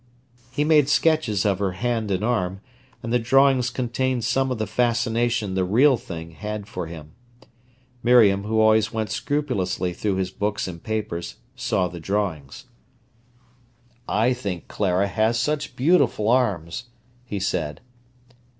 He made sketches of her hand and arm, and the drawings contained some of the fascination the real thing had for him. Miriam, who always went scrupulously through his books and papers, saw the drawings. "I think Clara has such beautiful arms," he said.